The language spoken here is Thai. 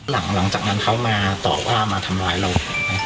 หลังจากนั้นเขามาต่อว่ามาทำร้ายเราไหม